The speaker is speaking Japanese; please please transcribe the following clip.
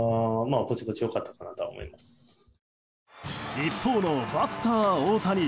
一方のバッター大谷。